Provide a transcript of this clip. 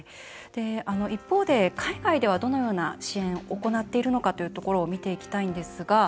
一方で海外ではどのような支援を行っているのかというところを見ていきたいんですが。